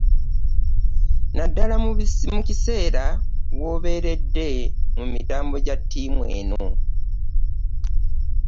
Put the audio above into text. Naddala mu kiseera w'abeeredde mu mitambo gya ttiimu eno.